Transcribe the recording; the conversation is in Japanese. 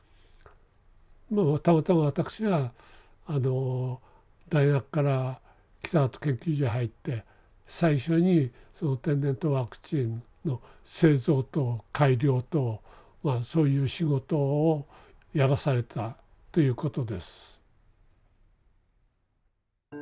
まあたまたま私があの大学から北里研究所へ入って最初にその天然痘ワクチンの製造と改良とまあそういう仕事をやらされたということです。